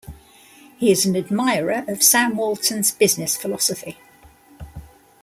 He is an admirer of Sam Walton's business philosophy.